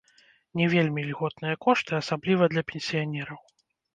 Не вельмі ільготныя кошты, асабліва для пенсіянераў.